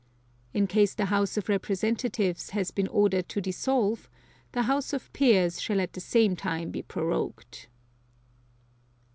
(2) In case the House of Representatives has been ordered to dissolve, the House of Peers shall at the same time be prorogued.